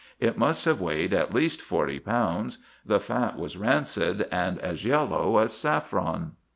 It must have weighed at least forty pounds ; the fat was rancid, and as yellow as saffron.